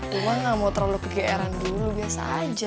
gue ga mau terlalu pgr an dulu biasa aja